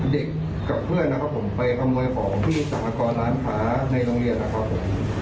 เด็กกับเพื่อนนะครับผมไปขโมยของที่สรรพากรร้านค้าในโรงเรียนนะครับผม